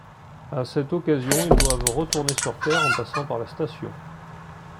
À cette occasion ils doivent retourner sur Terre en passant par la station.